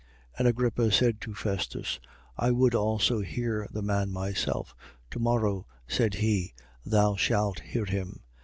25:22. And Agrippa said to Festus: I would also hear the man, myself. To morrow, said he, thou shalt hear him.